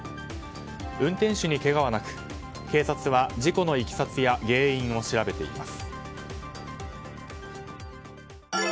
運転手にけがはなく警察は事故の経緯や原因を調べています。